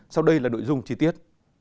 sau đây là đội dung chi tiết